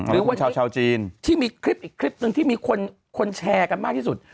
หรือว่าชาวจีนที่มีคลิปอีกคลิปหนึ่งที่มีคนแชร์กันมากที่สุด